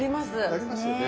やりますよね。